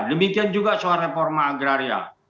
demikian juga soal reforma agraria